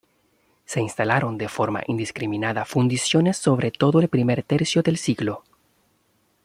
Se instalaron de forma indiscriminada fundiciones sobre todo en el primer tercio de siglo.